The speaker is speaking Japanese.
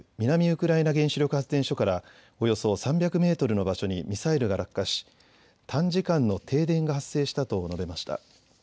ウクライナ原子力発電所からおよそ３００メートルの場所にミサイルが落下し、短時間の停電が発生したと述べました。